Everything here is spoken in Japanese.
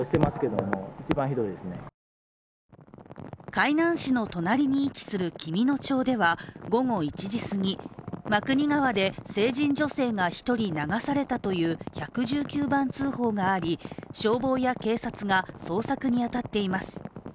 海南市の隣に位置する紀美野町では午後１時すぎ、真国川で成人女性が１人流されたという１１９番通報があり消防や警察が捜索に当たっています。